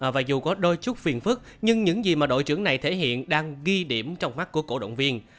và dù có đôi chút phiền phức nhưng những gì mà đội trưởng này thể hiện đang ghi điểm trong mắt của cổ động viên